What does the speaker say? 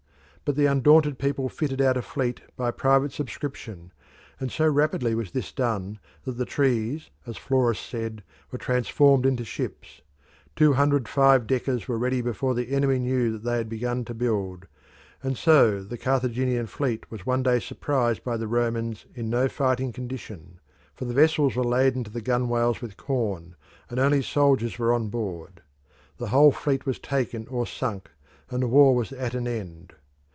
But the undaunted people fitted out a fleet by private subscription, and so rapidly was this done that the trees, as Florus said, were transformed into ships. Two hundred five deckers were ready before the enemy knew that they had begun to build, and so the Carthaginian fleet was one day surprised by the Romans in no fighting condition, for the vessels were laden to the gunwales with corn, and only sailors were on board; the whole fleet was taken or sunk, and the war was at an end.